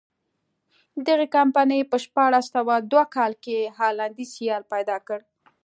دغې کمپنۍ په شپاړس سوه دوه کال کې هالنډی سیال پیدا کړ.